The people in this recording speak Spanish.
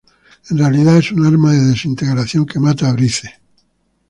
En realidad, es un arma de desintegración, que mata a Brice.